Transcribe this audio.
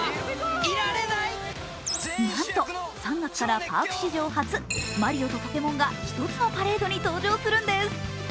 なんと３月からパーク史上初、マリオとポケモンが１つのパレードに登場するんです。